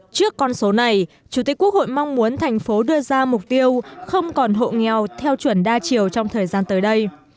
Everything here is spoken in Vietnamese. trước con số này chủ tịch quốc hội mong muốn thành phố đưa ra mục tiêu không còn hộ nghèo theo chuẩn đa chiều trong thời gian tới đây